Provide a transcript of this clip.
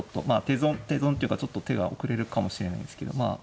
まあ手損手損っていうかちょっと手が遅れるかもしれないんですけどま